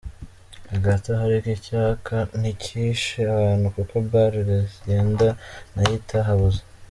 Hagati aho ariko icyaka ntikishe abantu kuko Bar Lasienda nayo itahabuze.